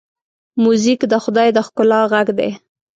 موزیک د خدای د ښکلا غږ دی.